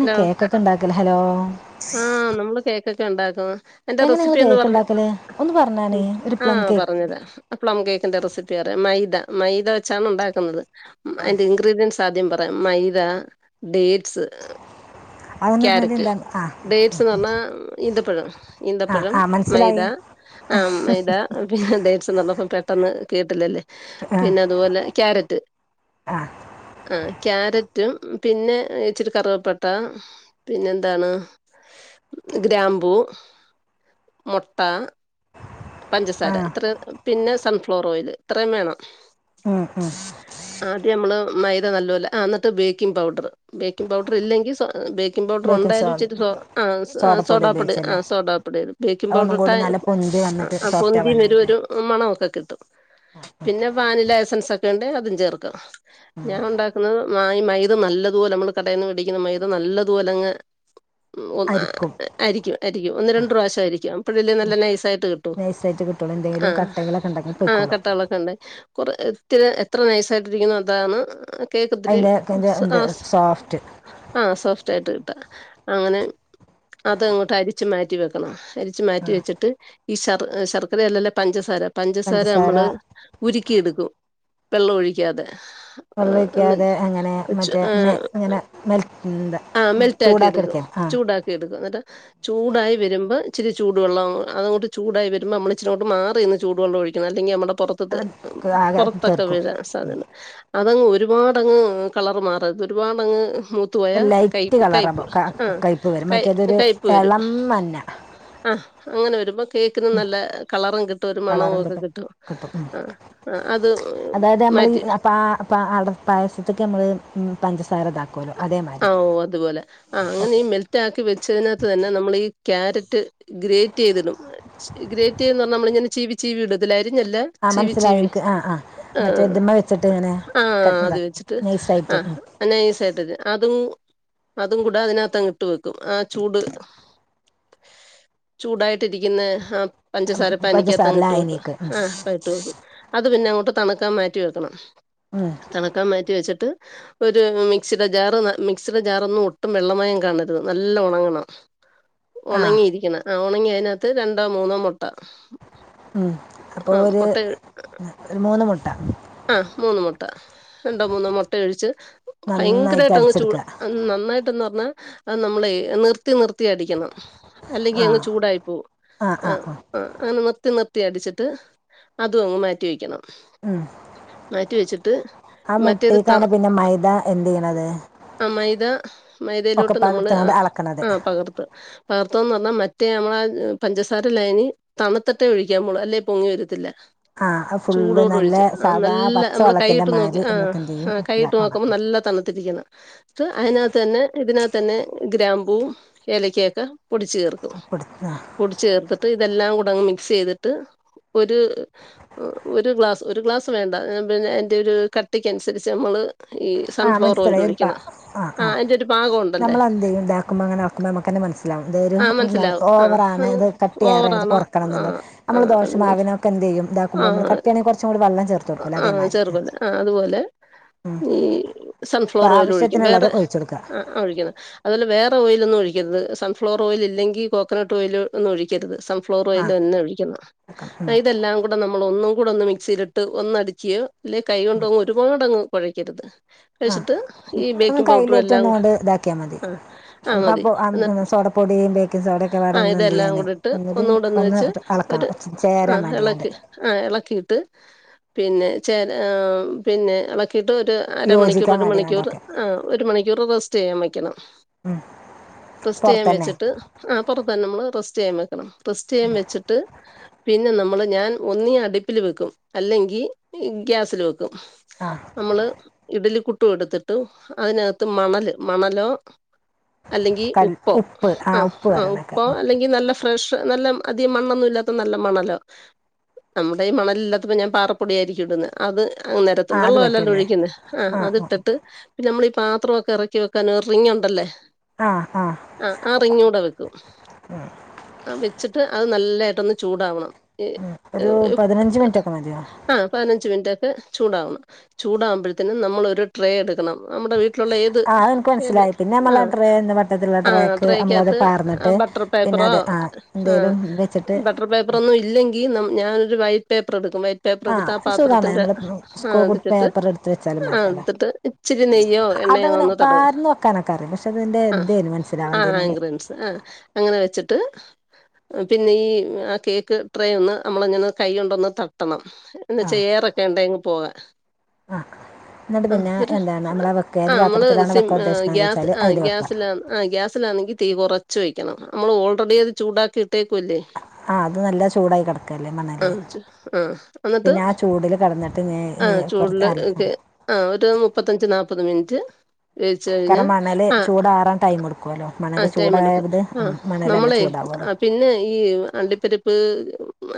Hello കേക്കൊക്കെ ഉണ്ടാക്കല് hello ആഹ് നമ്മള് കേക്കൊക്കെ ഉണ്ടാക്കും അതിന്റെ എങ്ങനെ നിങ്ങൾ റെസിപ്പി ഒന്ന് കേക്ക് പറഞ്ഞ് ഉണ്ടാക്കല് ഒന്ന് പറഞ്ഞാണേ ഒരു പ്ലം ആഹ് കേക്ക് പറഞ്ഞ്തരാം പ്ലം കേക്കിന്റെ റെസിപ്പി അറിയാം മൈദ മൈദ വെച്ചാണ് ഉണ്ടാക്കുന്നത് അതിന്റെ ഇൻഗ്രീഡിയൻസ് ആദ്യം പറയാം മൈദ ഡേറ്റ്സ് അതെന്ന് പറഞ്ഞാൽ ക്യാരറ്റ് എന്താണ് ആ ഡേറ്റ്സ് എന്ന് പറഞ്ഞാ ഈന്തപ്പഴം ആ ഈന്തപ്പഴം ആ മൈദ മനസ്സിലായി ആം മൈദ. പിന്നെ ഡേറ്റ്സന്ന് പറഞ്ഞപ്പൊ പെട്ടന്ന് കേട്ടില്ലല്ലേ ആ പിന്നെ അതുപോലെ ക്യാരറ്റ് ആ ആഹ് ക്യാരറ്റും പിന്നെ ഇച്ചിരി കറവപ്പ ട്ട പിന്നെ എന്താണ് ഗ്രാമ്പൂ. മൊട്ട. ആ പഞ്ചസാര ഇത്രേ പിന്നെ സൺഫ്ലവർ ഓയില് ഇത്രയും വേണം. ഉം ഉം ആദ്യം നമ്മള് മൈദ നല്ലോലെ എന്നിട്ട് ബേക്കിംഗ് പൗഡർ ബേക്കിംഗ് പൗഡർ ഇല്ലെങ്കിൽ സോ ബേക്കിംഗ് പൗഡർ ഉണ്ടായാലും ഇച്ചിരി സോ ആഹ് സോഡപ്പൊടി സോഡാപ്പൊടി ഉപയോഗിച്ചല്ലേ ആഹ് സോഡാപ്പൊടി ഇടും ബേക്കിംഗ് അത് ഒന്നും കൂടി പൗഡറിട്ടാ നല്ല പൊന്തി വന്നിട്ട് സോഫ്റ്റ് പൊന്തിവരും ആവാനാവില്ലേ ഒരു മണൊവൊക്കെ കിട്ടും പിന്നെ വാനില എസൻസ് ഒക്കെ ഉണ്ടേ അതും ചേർക്കാം. ഞാൻ ഉണ്ടാക്കുന്നത് ഈ മൈദ നല്ലതുപോലെ നമ്മള് കടയിൽ നിന്ന് മേടിക്കുന്ന മൈദ നല്ലതുപോലെ അങ്ങ് ഉം അരിക്കും അരിക്കും അരിക്കും ഒന്ന് രണ്ട് പ്രാവശ്യം അരിക്കും അപ്പൊഴല്ലെ നല്ല നൈസായിട്ട് കിട്ടു നൈസായിട്ട് കിട്ടുള്ളൂ എന്തേലും കട്ടകളൊക്കെ ഉണ്ടെങ്കിൽ പൊയ്ക്കോളും ഇത് കൊറ എത്ര നൈസായിട്ട് ഇരിക്കുന്നോ അതാണ് കേക്ക് ഒത്തിരി അതിൻ്റെ അതിൻ്റെ എന്ത് ആഹ് സോ സോഫ്റ്റ് ആഹ് സോഫ്റ്റ് ആയിട്ട് കിട്ടും അങ്ങനെ അതങ്ങോട്ട് അരിച്ചു മാറ്റി വെക്കണം അരിച്ചു മാറ്റി വെച്ചിട്ട് ഈ ശർ ശർക്കരയല്ലല്ലോ പഞ്ചസാര പഞ്ചസാര നമ്മള് ഉരുക്കിെയെടുക്കും വെള്ളം ഒഴിക്കാതെ. വെള്ളം ആഹ് ആഹ് അന്നി ഒഴിക്കാതെ അങ്ങനെ വെച്ചു മറ്റേ മെ ഇങ്ങനെ മെൽറ്റ് എന്താ ആഹ് മെൽ റ്റാക്കി ചൂടാക്കി എടുക്കും എടുക്കുക ആ ചൂടാക്കി എടുക്കും എന്നിട്ട് ചൂടായി വരുമ്പോൾ ഇച്ചിരി ചൂട് വെള്ളം അതങ്ങോട്ട് ചൂടായി വരുമ്പോ നമ്മള് ഇച്ചിരി അങ്ങോട്ട് മാറി നിന്ന് ചൂട് വെള്ളം ഒഴിക്കണം അല്ലെങ്കി നമ്മുടെ പുറത്ത് ത്തത് അത് ആകെ പുറത്തൊക്കെ തെറിക്കും വീഴാൻ സാധ്യത അതങ്ങ് ഒരുപാടങ്ങ് കളർ മാറരുത് ഒരുപാടങ്ങ് മൂ ത്ത് പോയ ഒരു കയ് ലൈറ്റ് കയിപ്പ് കളറാകുമ്പോൾ ആഹ് കയ്പ്പ് വരും ക മറ്റേതൊരു കയിപ്പ് വരും. ഇളം മഞ്ഞ ആഹ് അങ്ങനെ വരുമ്പോ കേക്കിനും നല്ല കളറും കിട്ട ഇട്ട ഒരു മണവും ഒക്കെ കിട്ടും ആഹ് അത് മാറ്റി പ അട പായസത്തൊക്കെ നമ്മൾ പഞ്ചസാര ഇതാക്കും കൊലോ അതേ മാതി ആഹ് ഓഹ് അതുപോലെ ആഹ് അങ്ങനെയീ മെൽ റ്റാക്കി വെച്ചതിനകത്ത് തന്നെ നമ്മൾ ഈ ക്യാരറ്റ് ഗ്രേറ്റ് ചെയ്തിടും. ഗ്രേറ്റ് ചെയ്തെന്ന് പറഞ്ഞാ നമ്മളിങ്ങനെ ചീവി ചീവി ഇടത്തില്ലേ അരിഞ്ഞല്ല ആ ചീവി മനസ്സിലായി ചീവി എനിക്ക് ആ ആ മറ്റേ ആഹ് ഇതിമ്മ വെച്ചിട്ട് ഇങ്ങനെ ആഹ് കട്ട് അത് ഇതാക്കും വെച്ചിട്ട് നൈസായിട്ട് ഉം. ആഹ് നൈസ്ആയിട്ട് അതും, അതും കൂടെ അതിനകത്ത്ങ്ങിട്ട്, വെക്കും, ആഹ് ചൂട് ചൂടായിട്ടിരിക്കുന്ന, ആഹ് പഞ്ചസാര പ ഉം, പഞ്ചസാര അനിക്കാത്തങ്ങിട്ട്, വെക്കും, ലായനിക്ക് ഉം. ആഹ് അ ഇട്ട് വെക്കും, അത് പിന്നെ അങ്ങോട്ട്, തണുക്കാൻ മാറ്റി വെക്കണം. ഉം. തണക്കാൻ, മാറ്റി വെച്ചിട്ട്, ഒരു മിക്സിടെ ജാറ് മിക്സിയുടെ, ജാറ ഒന്നും, ഒട്ടും വെള്ളമായം, കാണരുത് നല്ല, ഉണങ്ങണം. ആ ഉണങ്ങിയിരിക്കണ, ആഹ്, ഉണങ്ങിയ അതിനകത്ത്, രണ്ടോ മൂന്നോ മുട്ട. ഉം, അപ്പൊ ആ ഒരു മുട്ട ഒരു മൂന്ന് മുട്ട ആഹ്, മൂന്ന് മുട്ട മുട്ട, രണ്ടോ മൂന്നോ മുട്ട ഒഴിച്ച്, നന്നായിട്ട് ഭയങ്കരമായിട്ട് അങ്ങ്, ചൂ അടിച്ചെടുക്കുക നന്നായിട്ട് ന്ന് പറഞ്ഞ, നമ്മളെ നിർത്തി, നിർത്തി, അടിക്കണം. അല്ലെങ്കി, ആ അങ്ങ് ചൂടായിപ്പോ, ആ ആ ആഹ്. ആ ആഹ് അങ്ങനെ നിർത്തി, നിർത്തി, അടിച്ചിട്ട് അതും, അങ്ങ് മാറ്റി വെക്കണം. ഉം ആഹ്, മറ്റേത് മുട്ടക്കാണ് പിന്നെ, മൈദ എന്ത് ചെയ്യണത്? ആഹ് മൈദ മൈദയിലോട്ട്, നമ്മള് ഒക്കെപ്പാടെടുത്താണ്ട് അളക്കണത് ആഹ്, പകർത്ത പകർത്തന്ന്, പറഞ്ഞാൽ മറ്റേ, നമ്മളെ പഞ്ചസാര, ലൈനി തണുത്ട്ടേ ഒഴിക്കാമുള്ള്, അല്ലെ പൊങ്ങി, വരത്തില്ല. ആഹ്, ഫുള്ള് ചൂടോടെ നല്ല ഒഴിച്ച് ആഹ് സാധാ നല്ല പച്ച നമ്മള് വെള്ളത്തിന്റെ കൈയിട്ട് നോക്കി മാരി ആഹ ഇതൊക്കെ എന്ത് ചെയ്യും ആഹ കൈയിട്ട് നോക്കുമ്പോ ഇതാക്ക നല്ല തണുത്തിരിക്കുന്ന അതിനകത്ത് തന്നെ ഇതിനകത്തന്നെ ഗ്രാമ്പൂവും എലക്കയൊക്കെ പൊടിച്ച് ചേർക്കും [unintelligible] കുടിചേർത്തിട്ട് ഇതെല്ലാം കൂടെങ്ങ് മിക്സ്യ്തിട്ട് ഒരു ഒരു ഗ്ലാസ് ഒരു ഗ്ലാസ് വേണ്ട പിന്നെ അയ്ന്റെ ഒരു കട്ടിക്കഅനുസരിച്ച് നമ്മള് ഈ ആ സൺഫ്ലവർ ഓയിൽ മനസ്സിലായി ഒരു പ ഒഴിക്കണം ആഹ ആഹ ആഹ് അതിന്റെ ഒരു പാകം ഉണ്ടല്ലേ നമ്മൾെന്തയ്യ ഉണ്ടാക്കുമ്പോൾ അങ്ങനെക്കുമ്പോ നമുക്കന്നെ മനസ്സില ആഹ് മനസ്സിലാവും ആഹ് ഓവറണ് ഇത് കട്ട് യ്യറാണ്ത് ഓവറാണോ കൊറക്കണം എന്നുള്ളത് ആഹ് നമ്മള് ആഹ് അതിന് ദോഷമാവിനോ എന്ത്‌യ്യും ഇതാക്കുമ്പോ നമ്മ ആഹ് കട്ടിയണെങ്ക കുറച്ച കൂടി വള്ളം ചേർത്ത്ടുക്കല്ല അതേമാരി ആഹ അതുപോലെ ഈ അപ്പൊ സൺഫ്ലോർ ഓയിൽ ഒഴിക്കും ആവശ്യത്തിനുള്ളത് വേറെ ഒഴിച്ചു കൊടുക്കുക ആ ആഹ ഒഴിക്കുന്ന അതുപോലെ വേറെ ഓയിൽന്നും ഒഴിക്കരുന്നത് സം ഫ്ലോർ ഓയിൽ ഇല്ലെങ്കിൽ കോക്കോനട്ട് ഓയിലൊന്നും ഒഴിക്കരുത് സം ഫ്ലോർ ആഹ് ഓൽന്നെ ഒഴിക്കണം ഉം ഇതെല്ലാം കൂടെ നമ്മള് ഒന്നും കൂടെ ഒന്ന് മിക്സിയിലിട്ട് ഒന്നടിച്ച് ഇല്ലെ കൈ കൊണ്ടങ്ങ് ഒരുപാട്ങ്ങ് കുഴയ്ക്കരുത്. ആ കഴിച്ചിട്ട് ഈ ഒന്ന് ബേക്കിംഗ് പൗഡറും കയ്യിലേറ്റ് എല്ലാം ഒന്നുകൊണ്ട് ഇതാക്കിയാൽ മതി ആഹ ആഹ മതി അപ്പോൾ ന്ന സോഡപ്പൊടിയും ബേക്കിംഗ് സോഡയൊക്കെ പാടെ ആഹ ഒന്ന് എന്ത് ഇതെല്ലാം ചെയ്യാൻ കൂടിട്ട് ഒന്നുകൂടി ഒന്നുകൂടന്ന് ഒന്ന് വെച്ച് ഒരു ഇളക്കണം ചേരാൻ ആഹ വേണ്ടിയാണ്ട് നമ്മക് ആഹ ഇളക്കിയിട്ട് പിന്നെ ചേ പിന്നെ ഇളക്കിയിട്ട് ഒരു അരമണിക്കൂർ യോജിക്കാൻ ഒരു വേണ്ടി മണിക്കൂർ വേണ്ടൊക്കെ ആഹ ഒരു മണിക്കൂർ റെസ്റ്റ് ചെയ്യാൻ വെക്കണം. റസ്റ്റ് ചെയ്യാൻ പുറത്ത് തന്നെ വെച്ചിട്ട് ആപുറത്ത് തന്നെ നമ്മള് റസ്റ്റ് ചെയ്യാൻ വെക്കണം റസ്റ്റ് ചെയ്യാൻ വെച്ചിട്ട് പിന്നെ നമ്മൾ ഞാൻ ഒന്നി അടുപ്പിൽ വെക്കും അല്ലെങ്കിൽ ഗ്യാസിൽ വെക്കും. ആ നമ്മള് ഇഡലിക്കുട്ടും എടുതിട്ട് ട് അതിനകത്ത് മണല് മണലോ അല്ലെങ്കിൽ കൽ ഉപ്പോ ഉപ്പ് ആ ആഹ ഉപ്പ് ആഹ ഉപ്പ പറയണൊക്കെ അല്ലെങ്കിൽ നല്ല ഫ്രഷ് നല്ല അധികം മണ്ണൊന്നും ഇല്ലാത്ത നല്ല മണ്ണല്ലോ നമ്മുടെ ഈ മണലില്ലാത്തപ്പോ ഞാന് പാറപ്പൊടിയരിക്കും ഇടുന്ന അത് ആ അനേരത്തും അത് വെള്ളല്ലലോ പറ്റൂലേ ഒഴിക്കുന്ന ആഹ് ആ അത് ഇട്ടിട്ട് പിന്നെ നമ്മളീഈപാത്രക്കെ ഇറക്കി വെക്കാന റിംഗ ഉണ്ടല്ലേ? ആഹ ആഹ ആഹ ആഹ റിങ്ങൂടെ വെക്കും ആഹ വെച്ചിട്ട് അത് നല്ലതായിട്ടൊന്ന് ചൂടാവണം. ഏ ഉം. ഒരു പതിനഞ്ച് മിനിറ്റ് ഒക്കെ [unintelligible] മതിയോ ആഹ പതിനഞ്ച് മിനിറ്റ് ഒക്കെ ചൂടാവണം ചൂടാകുമ്പോഴത്തനും നമ്മളൊ ഒരു ട്രേ എടുക്കണം നമ്മുടെ വീട ട്ടിലുള്ള ഏത് ആ അതെനിക്ക് ഏത് മനസ്സിലായി പിന്നെ നമ്മൾ ആഹ ആ ട്രേ എന്ന വട്ടത്തിലുള്ള ആഹ ട്രേക്ക് നമ്മളത് ട്രെക്കകത്ത് പാർന്നിട്ട് ബട്ടർ പിന്നെ പേപ്പറോ അത് ആ ആഹ എന്തെങ്കിലും വെച്ചിട്ട് ബ ട്ടർ പേപ്പറോന്നും ഇല്ലങ്കി ഞാനൊരു വൈറ്റ് പേപ്പർ എടുക്കും വൈ പേപ്പർ എടുത്ത ആ ആഹ് സുഖാണ് പാത്രത്തിന്റെ നമ്മള് സ്കൂൾ അതിട്ടിട്ട് പേപ്പർ എടുത്ത് വെച്ചാലും മതിയല്ലോ ആടുത്തിട്ട് ഇച്ചിരി നെയ്യോ എണ്ണയോ അതങ്ങനെ ഒന്ന് തടവ് പാർന്ന് വെക്കാനൊക്കെ അറിയാം പക്ഷെ അതിന്റെ ആ ഇതേനു ആ മനസ്സിലാവേണ്ടീനത് ആങ്ക്ര സ് അങ്ങനെ വെച്ചിട്ട്. പിന്നെ ഈ ആ കേക്ക് ട്രെ ഒന്ന് നമ്മളങ്ങനെ കൈകൊണ്ടൊന്ന് തട്ടണം. എന്നച്ചാ ആഹ് ഏറൊക്കെ ഉണ്ടെങ് പോവാ ആഹ് ന്നട്ട് പിന്നെ എന്താണ് നമ്മളെ വെക്ക ആ ഏത് നമ്മൾ പാത്രത്തിലാണ് വെക്കാ ഉദ്ദേശിക്കണന്ന് വെച്ചാല് അതില് വെക്കാ. ആഹ് ഗ്യാസിലാണെങ്കി തീ കൊറച്ച് വെക്കണം നമ്മള് ഓൾറെഡി അത് ചൂടാക്കി ഇട്ടേക്കല്ലേ. ആഹ് അത് നല്ല ചൂടായി കടക്കല്ലേ മണല് ചു- ആ എന്നിട്ട് പിന്നെ ആ ചൂടില് കടന്നി ട്ട് നേ നേ പൊറത്ത് അലകും ആഹ് ഒരു മുപ്പത്തഞ്ച് നാല്പ്പത് മിനിറ്റ്. വേവിച്ച് കാരണം കഴിഞ്ഞാൽ മണൽ ചൂടാറാൻ ടൈംടുക്കൊല്ലോ. ആഹ് ടൈമടുക്കും ആഹ് നമ്മളെ ചൂടാവുമല്ലോ ആഹ് പിന്നെ ഈ അ പരിപ്പ്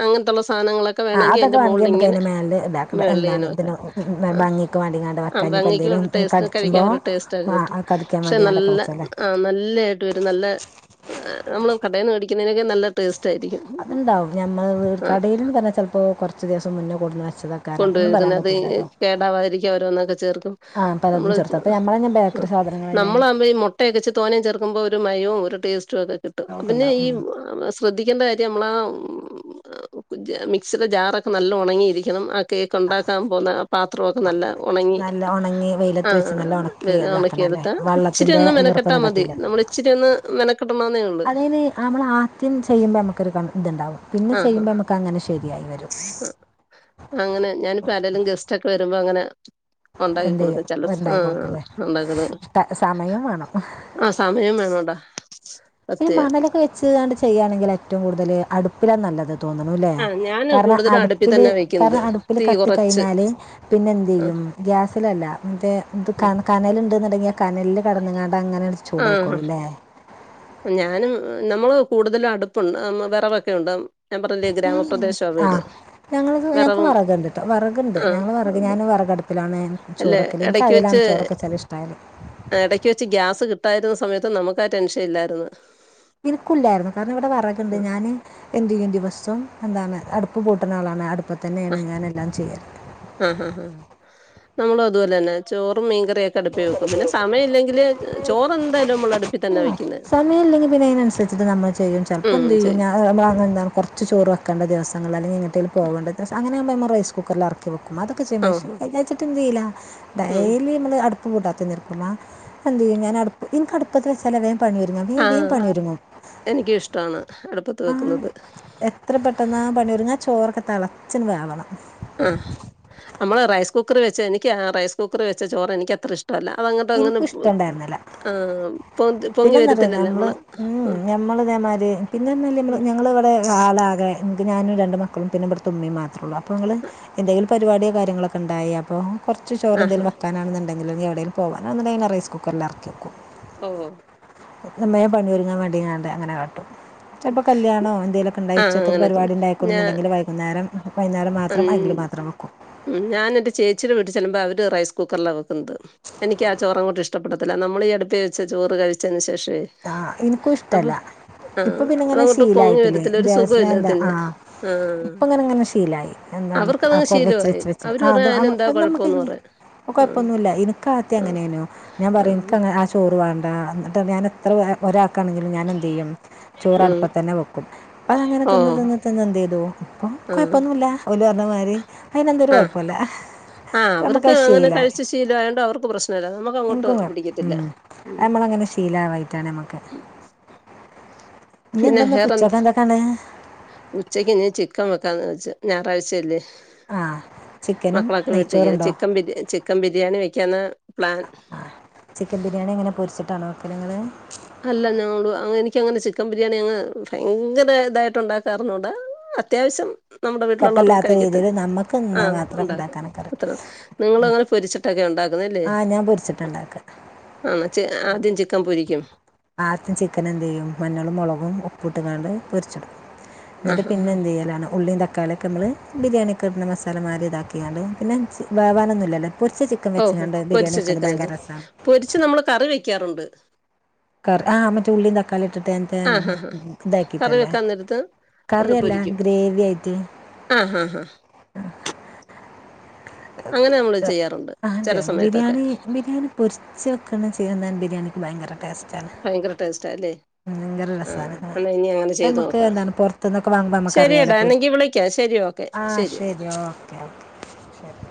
അങ്ങനത്തുള്ള സാനങ്ങളൊക്കെ ഒക്കെ ആ വേണങ്കി അതൊക്കെ എന്റെ വേണമെങ്കിൽ നമുക്ക് മുകളിങ്ങനെ അതിൻ്റെ മേലെ ഇതാക്കണ്ട എന്താണ് വെള്ളിങ്ങനൊക്കെ ഇതിന് ആ ഭംഗിക്ക് വേണ്ടിങ്ങാണ്ട് ആ വെക്കാം ഇനിയിപ്പോൾ ഭങ്ങിക്ക് എന്തെങ്കിലും ടേസ്റ്റ് കഴിക്കാൻ കടിച്ചുമ്പോൾ ഒരു ടേസ്റ്റാത് കടിക്കാൻ പക്ഷെ വേണ്ടിങ്ങാണ്ടൊക്കെ നല്ല വെച്ചല്ലേ ആഹ് നല്ലായിട്ട് വരും നല്ല നമ്മള് കടയിൽന്ന് മേടിക്കുന്നതിനേക്കലും നല്ല ടേസ്റ്റ് ആയിരിക്കും അത്ണ്ടാവും ഞമ്മൾ ആ കടയിന്ന് പറഞ്ഞ ചലപ്പോ കൊറച്ച് ദിവസം മുന്നേ കൊണ്ടന്ന് വെച്ചതാകും കൊണ്ട് വെക്കുന്നത് അത് കേടാവാതിരിക്കാൻ ഓരോന്നൊക്കെ ചേർക്കും ആ പലതും നമ്മള് ചേർത്ത് അപ്പോൾ നമ്മൾ തന്നെ ബേക്കറി സാധനങ്ങൾ തന്നെ നമ്മളാകുമ്പോ ഈ മൊ- മൊട്ടയെക്കെ ഇച്ചിരി തോനയും ചേർക്കുമ്പോൾ ഒരു മയും ഒരു ടേസ്റ്റും ഒക്കെ കിട്ടും ഒക്കെ പിന്നെ ഉണ്ടാവും ഈ ഉം. ശ്രദ്ധിക്കേണ്ട കാര്യം നമ്മളാ മിക്സിലെ ജാറൊക്കെ നല്ല ഒണങ്ങിയിരിക്കണം ആ കേക്ക് ഉണ്ടാക്കാൻ പോകുന്ന പാത്രൊക്കെ നല്ല ഒണങ്ങി നല്ല ഉണങ്ങി വെയിലത്ത് ആഹ് വെച്ച് നല്ല ആഹ് ഉണക്കി ഇതാക്കണം അല്ലേ ഒണക്കിഎട്ത്താ ഇച്ചിരി വെള്ളത്തിൻ്റെ ഒന്ന് മെനക്കെട്ടാ ഈർപ്പൊന്നും മതി പറ്റില്ല നമ്മൾ ഇച്ചിരി ഒന്ന് മെനക്കെടണന്നേ ഒള്ളൂ അതിന് നമ്മൾ ആദ്യം ചെയ്യുമ്പോൾ നമുക്കൊരു ഇതുണ്ടാവും പിന്നെ ആഹ് ഹാ ചെയ്യുമ്പോ നമുക്ക് അങ്ങനെ ശരിയായി വരും. അങ്ങനെ ഞാനിപ്പരേലും ഗെസ്റ്റ് ഒക്കെ വരുമ്പോ അങ്ങനെ ഒണ്ടാക്കി എന്ത് ചെയ്യും കൊടുക്കും ചെല ഉണ്ടാക്കി ആഹ് കൊടുക്കല്ലേ ഉണ്ടാക്കുന സമയം വേണം ആഹ് സമയം വേണോടാ പിന്നെ സത്യാ മണലൊക്കെ വെച്ച് താണ്ട് ചെയ്യുകയാണെങ്കിൽ ഏറ്റവും കൂടുതൽ അടുപ്പിലാണ് നല്ലത് തോന്നുണു ല്ലേ ആഹ് ഞാന് കാരണം കൂടുതലും അടുപ്പി അടുപ്പില് തന്നെ വെക്കുന്നത് കാരണം അടുപ്പില് തീ കത്തി കൊറച്ച് കഴിഞ്ഞാല് പിന്നെ എന്ത് ആഹ് ചെയ്യും ഗ്യാസിലല്ല മറ്റേ ഇത് ഉം കനല് ഉണ്ടന്ന് ഉണ്ടെങ്കിൽ കനലില് കടന്നങ്ങാണ്ട് അങ്ങനെ ആഹ് ചൂടായിക്കോളും അല്ലേ ഞാനും നമ്മള് കൂടുതലും അടുപ്പുണ്ട് വിറകൊക്കെ ഉണ്ട് ഞാൻ പറഞ്ഞില്ലേ ഗ്രാമപ്രദേശമാ വീട് ഞങ്ങളത് ഞങ്ങൾക്കും വെറകും വറക് ഉണ്ട്ട്ടോ വിറക്ണ്ട് ആഹ് ഞങ്ങള് വറക് ഞാനും വറകടുപ്പ് ടുപ്പിലാണ് ചോറ് അല്ലെ വെക്കൽ എനിക്ക് എടക്ക് വെച്ച് അതിലാണ് ചോറൊക്കെ വെച്ചാ ഇഷ്ടകല് എടക്ക് വെച്ച് ഗ്യാസ് കിട്ടായിരുന്ന സമയത്ത് നമുക്ക് ആ ടെൻഷൻ ഇല്ലായിരുന്നു ഇനിക്കുല്ലായിരുന്നു കാരണം ഇവിടെ വറകുണ്ട് ആ. ഞാന് എന്ത് ചെയ്യും ദിവസം എന്താണ് അടുപ്പ് പൂട്ടുന്ന ആളാണ് അടുപ്പത്ത് തന്നെയാണ് ഞാൻ എല്ലാം ചെയ്യാറ് ആഹ് ആഹ് നമ്മളും അതുപോലെ തന്നെ ചോറും മീൻകറിയൊക്കെ അടുപ്പി വെക്കും പിന്നെ സമയം ഇല്ലെങ്കില് ചോറ് എന്തായാലും നമ്മൾ അടുപ്പി തന്നെ വെക്കുന്നത് സമയമില്ലെങ്കിൽ പിന്നെ അതിനനുസരിച്ചിട്ട് നമ്മൾ ചെയ്യും ചെലപ്പോ എന്ത് ചെയ്യു ഞാൻ [unintelligible] ചോറ് വെക്കണ്ട ദിവങ്ങൾ അല്ലെ എങ്ങട്ടേലു പോകേണ്ടി അങ്ങനെകുമോ നമ്മ റൈയ്സ് കുക്കറിൽ ഇറക്കും- എറക്കി വെക്കും അതൊക്കെ ചെയ്യും പക്ഷ ആഹ് എല്ലാച്ചിട്ട് എത്നയ്യൂല ഉം ഡെലി നമ്മള് അടു- അടുപ്പ് കൂട്ടാതെ നിക്കും ആ എന്ത് ചെയ്യും ഞാൻ അടുപ്പ എനിക്ക് അടുപ്പ അടുപ്പത്ത് വച്ചാല് വേഗം പണി ഒരുങ്ങു വേഗം വേഗം ആഹ് പണി ഒരുങ്ങും എനിക്കും ഇഷ്ടമാണ് അടുപ്പത്ത് അഹ് വെക്കുന്നത് എത്ര പെട്ടെന്നാ പണിയെരുങ്ങാ ആ ചോറൊക്കെ തളച്ചങ്ങ് വേവണം ആഹ് നമ്മള് റൈസ് കുക്കർ വെച്ച് എനിക്ക് ആ റൈസ് കുക്കർ വെച്ച ചോറ് എനിക്ക് അത്ര ഇഷ്ട ഇഷ്ടല്ല അ അത് അങ്ങട്ട് അങ്ങനെ എനിക്കും ആ പിന്നെന്താറിയോ നമ്മള് ഉം ഉംഞമ്മൾ ഇതേമാതിരി പിന്നൊനില നമ്മൾ ഉം. ഞങ്ങൾ ഇവിടെ ആളാകെ ഞാനും രണ്ട് മക്കളും പിന്നെ ഇവിടുത്തുമ്മയും മാത്രേള്ളൂ അപ്പോ നിങ്ങൾ എന്തെങ്കിലും പരിപടിയോ കാര്യങ്ങളൊക്കെ ഉണ്ടായി അപ്പോൾ കുറച്ച് ചോറെ ആഹാ എന്തങ്കിലും വെക്കാനാണെന്നു ണ്ടെങ്കി ഇനി എവിടെേലും പോകൻ ആന്നുണ്ടെങ്കി റൈയ്സ് കുക്കറിൽ ഇറക്കിവക്കും ഓഹ് വേഗം വേഗം പണിയൊരുങ്ങാൻ വേണ്ടി ഞാൻടെ അങ്ങനെ കാട്ടും ചിലപ്പോ കല്യാണോ എന്തെലൊക്കെ ഉണ്ടായി ആഹ് ഉച്ചയ്ക്കത്തെ അങ്ങനെയൊക്കെ പരിപാടി ഞാൻ ഉണ്ടായിക്കോന്നുണ്ടെങ്കി വൈകുന്നേരം വൈകുന്നേരം മാ മാത്രം ഉം അതില് മാത്രം വക്കും ഉം ഞാൻ എന്റെ ചേച്ചിടെ വീട്ടിൽ ചെല്ലുമ്പോ അവര് റൈസ് കുക്കറില വെക്കുന്നത് എനിക്യ ചോറങ്ങോട്ട് ഇഷ്ടപ്പെടത്തില്ല നമ്മൾ ഈ അടുപ്പി വെച്ച് ചോറ് കഴിച്ചതിന് ശേഷവെ ആഹ് എനിക്കും ഇഷ്ടല്ല ഇപ്പൊ ആഹ് പിന്നെ ഇങ്ങനെ അതങ്ങോട്ട് പൊങ്ങി ശീലായിട്ടില്ലേ വരത്തില്ല ഒരു ദിവസം സുഖവില്ല അത് എന്താ ആ തിന്നാൻ ആഹ് ഇപ്പ ഇങ്ങനെ ഇങ്ങനെ ശീലായി എന്താണ് ആ അവർക്കതങ്ങ് കൊ വെച്ച് ശീലവായി. വെച്ച് വെച്ച് അവര് ആ അത് പറയും അതിനെന്താ അമ്മക്കത് നമ്മക്ക് കൊഴപ്പന്ന് പറയും ഇപ്പ ആഹ് കൊഴപ്പൊന്നു ഇല്ല എനിക്കാദ്യം ആഹ് അങ്ങനെയാനു ഞാൻ പറയും എനി ആഹ് ക്കങ്ങ് ആ ചോറ് വേണ്ട എന്നിട്ട് ഞാന് എത്രയാ ഒരാക്കാണെങ്കിലും ഞാൻ എന്ത് ചെയ്യും ചോറ് ഉം അടുപ്പത്ത് തന്നെ വക്കും അപ്പ അങ്ങെനെ തിന്ന് ഓഹ് തിന്ന് പിന്നെ എന്ത് ചെയ്തു ഇപ്പൊ ആഹ് കൊഴപ്പൊന്നുല്ല ഓല് പറഞ്ഞ മാതിരി അയിന് എന്താ ഒരു കുഴപ്പല്ല ആ അവർക്ക് അങ്ങനെ കഴിച്ചു ശിലയൊണ്ട് അവർക്ക് പ്രശ്നില്ല നമുക്ക് അങ്ങോട്ട് പിടിക്കത്തില്ല ഉം ഷീലാ ആവയിട്ടാണ് നമുക്ക് ഉം. ഇനി പിന്നെ എന്താന്നിട്ട് വെറന്ത് ഉച്ചക്ക് എന്തൊക്കെയാണ് ഉച്ചക്ക് ഇന്ന് ചിക്കൻ വെക്കാന്ന് വെച്ച് ഞായറാഴ്ചല്ലേ ആ ചിക്കനും മക്കളൊക്കെ വീടികെ നെയ്ച്ചോറുണ്ടോ ചിക്കൻ ബി ചിക്കൻ ബിരിയാണി വെക്കന്ന പ്ലാൻ ആ ചിക്കൻ ബിരിയാണി ഇങ്ങനെ പൊരിച്ചിട്ടാണോ വക്കല് നിങ്ങൾ അല്ല ഞങ്ങള് എനിക്കങ്ങനെ ചിക്കൻ ബിരിയാണി അങ്ങ് ഭയങ്കര ഇതായിട്ട് ഉണ്ടാക്കാറുഞ്ഞുടാ അത്യാവശ്യം നമ്മുടെ വീട്ടിലുള്ളവർക്ക് കുഴപ്പമില്ലാത്ത കഴിക്കത്ത രീതിയിൽ നമുക്ക് ആ തിന്നാൻ മാത്രം ഉണ്ടാക്കും ഉണ്ടാക്കാനൊക്കെ അത്ര അറിയും നിങ്ങള് അങ്ങനെ പൊരിച്ചിട്ടൊക്കെയാ ഒണ്ടാക്കുന്നല്ലേ ആ ഞാൻ പൊരിച്ചിട്ടുണ്ടാക്കുക ആണ് ച്ച് ആദ്യം ചിക്കൻ പൊരിക്കും ആദ്യം ചിക്കൻ എന്ത് ചെയ്യും മഞ്ഞളും മുളകും ഉപ്പിട്ട്കാണ്ട് പൊരിച്ചടു ആ എന്നിട്ട് ഹാ പിന്നെ ഹാ എന്ത് ചെയ്യലാണ് ഉള്ളീം തക്കാളി നമ്മള് ബിരിയാണിയിക്കെ ഇടുന്ന മസാല മാതിരി ഇതാക്കിയാണ് പിന്നെ വേവാനൊന്നുലല്ല പൊരിച്ച ചി ക്കാൻ ഓഹോ വെച്ചകണ്ട് ബിരിയാണി പൊരിച്ച വെക്ക്ന്ന ഭയങ്കര ചിക്കനല്ലേ രസ. പൊരിച്ച് നമ്മള് കറി വെക്കാറുണ്ട് കർ ആ എന്നിട്ട് ഉള്ളീ തക്കാളിട്ടിട്ട് ടെ ആ ഹാ ഹാ കറി ഇതാക്കിട്ടല്ലേ വെക്കാൻ നേരത്ത് ഒന്ന് കറിയല്ല പൊരിക്കും ഗ്രേവി ആയിട്ട് ആ ഹ ഹ ഹ അ ദം ചെയ്യാറുണ്ട് ആ ചില ചെർന്നാൻ സമയത്തൊക്കെ ബിരിയാണി ബിരിയാണി പൊരിച്ച് വെക്കണേ ചേർന്നാൻ ബിരിയാണിക്ക് ഭയങ്കരടേസ്സ ഭയങ്കര ടേസ്റ്റ ആല്ലേ ഭയങ്കര രസാണ് അത് നമുക്ക് നോക്കാം എന്താണ് പുറത്തന്നൊക്കെ വാങ്ങുമ്പോ നമ്മുക്ക്റിയാലോ ശരിയെടാ പൊരി എന്നെങ്കി വിളിക്കാം ശരി ഓക്കെ ആ ശരി ഓക്കെ ഓക്കെ ശരി